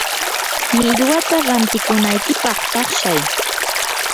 millwata rantikunaykipaq taqshay.